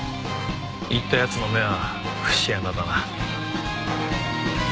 言った奴の目は節穴だな。